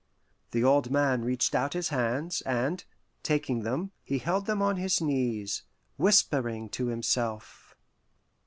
The old man reached out his hands, and, taking them, he held them on his knees, whispering to himself.